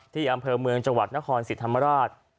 อำเภอเมืองจังหวัดนครสิทธิ์ธรรมราช